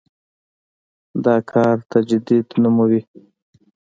دا کار تجدید نوموي.